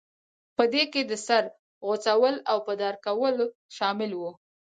په دې کې د سر غوڅول او په دار کول شامل وو.